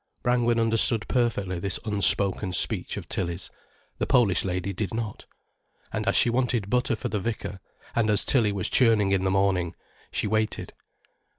Brangwen understood perfectly this unspoken speech of Tilly's. The Polish lady did not. And as she wanted butter for the vicar, and as Tilly was churning in the morning, she waited.